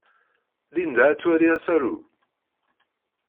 Linda ad twali asaru.